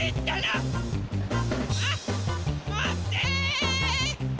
あっまって！